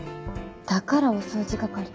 だからお掃除係。